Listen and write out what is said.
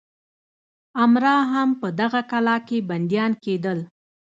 امرا هم په دغه کلا کې بندیان کېدل.